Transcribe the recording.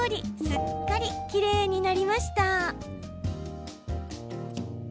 すっかりきれいになりました。